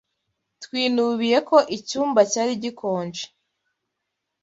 Twinubiye ko icyumba cyari gikonje.